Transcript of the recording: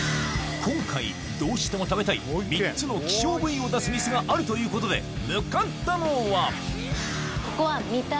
今回どうしても食べたい３つの希少部位を出す店があるということで向かったのは三田？